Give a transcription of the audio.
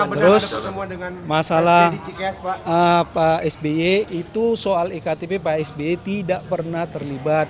terus masalah pak sby itu soal iktp pak sby tidak pernah terlibat